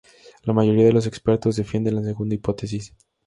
La mayoría de los expertos defienden la segunda hipótesis.